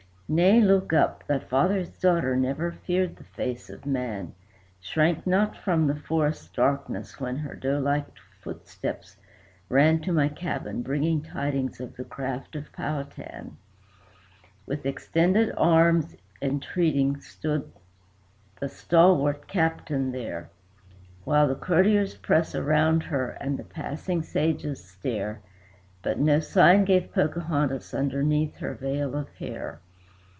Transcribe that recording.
"Nay, look up. Thy father's daughter never feared the face of man, Shrank not from the forest darkness when her doe like footsteps ran To my cabin, bringing tidings of the craft of Powhatan." With extended arms, entreating, stood the stalwart Captain there, While the courtiers press around her, and the passing pages stare; But no sign gave Pocahontas underneath her veil of hair.